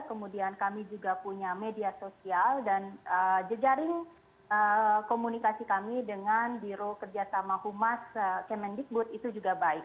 kemudian kami juga punya media sosial dan jejaring komunikasi kami dengan biro kerjasama humas kemendikbud itu juga baik